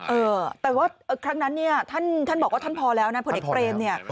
เออแต่ว่าครั้งนั้นเนี่ยท่านบอกว่าท่านพอแล้วนะผลเอกเปรมเนี่ย